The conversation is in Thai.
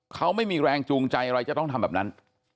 เขาไม่มีแรงจูงใจอะไรจะต้องทำแบบนั้น